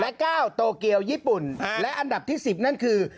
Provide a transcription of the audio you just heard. และเก้าโตเกียวญี่ปุ่นนะฮะและอันดับที่สิบนั่นคือ